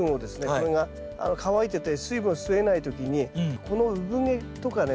これが乾いてて水分を吸えない時にこのうぶ毛とかね